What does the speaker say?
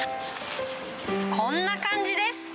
こんな感じです。